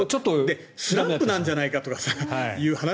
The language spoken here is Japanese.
スランプなんじゃないかとかって話。